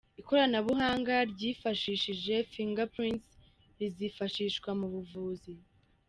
Ikoranabuhanga ryifashishije Fingerprints rizifashishwa mu buvuzi .